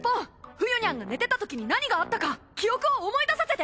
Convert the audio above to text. フユニャンが寝てたときに何があったか記憶を思い出させて！